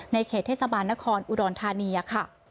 เขตเทศบาลนครอุดรธานีค่ะ